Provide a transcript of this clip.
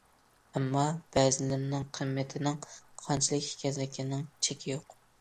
ئەمما، بەزىلىرىنىڭ قىممىتىنىڭ قانچىلىك ئىكەنلىكىنىڭ چېكى يوق.